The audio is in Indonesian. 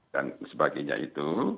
dan sebagainya itu